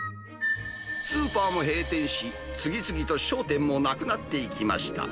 スーパーも閉店し、次々と商店もなくなっていきました。